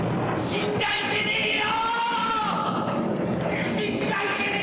死んじゃいけねえよ！